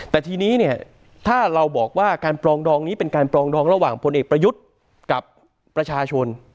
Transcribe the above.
แต่ทีนี้เนี่ยถ้าเราบอกว่าการปรองดองนี้เป็นการปรองดองระหว่างพลเอกประยุทธ์กับประชาชน